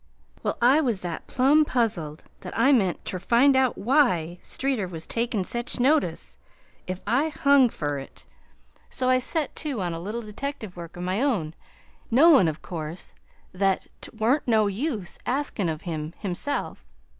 "Well, I was that plum puzzled that I meant ter find out why Streeter was takin' sech notice, if I hung fur it. So I set to on a little detective work of my own, knowin', of course, that 't wa'n't no use askin' of him himself.